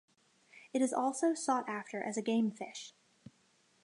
It is also sought after as a game fish.